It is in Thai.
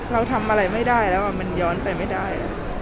เราทำอะไรไม่ได้แล้วมันย้อนไปไม่ได้